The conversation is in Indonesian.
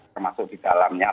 termasuk di dalamnya